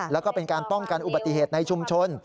แล้วก็เป็นการป้องกันอุบัติเหตุในชุมชน